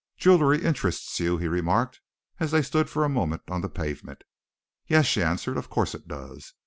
"Jewelry interests you?" he remarked, as they stood for a moment on the pavement. "Yes!" she answered. "Of course it does.